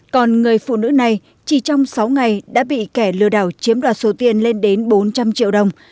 còn người phụ nữ này chỉ trong sáu ngày đã bị kẻ lừa đảo chiếm đoạt số tiền lên đến bốn trăm linh triệu đồng